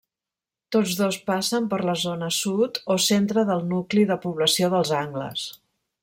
Tots dos passen per la zona sud o centre del nucli de població dels Angles.